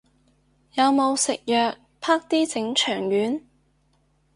有冇食藥，啪啲整腸丸